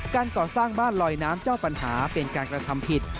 การก่อสร้างบ้านลอยน้ำเจ้าปัญหาเป็นการกระทำผิด